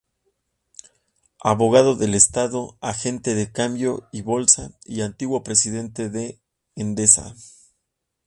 Abogado del Estado, agente de cambio y bolsa y antiguo presidente de Endesa.